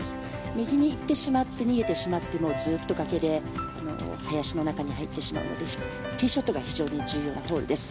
右に行ってしまって逃げてしまってもずっと崖で林の中に入ってしまうのでティーショットが非常に重要なホールです。